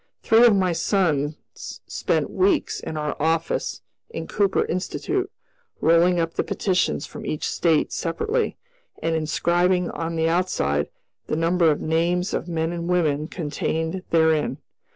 Three of my sons spent weeks in our office in Cooper Institute, rolling up the petitions from each State separately, and inscribing on the outside the number of names of men and women contained therein.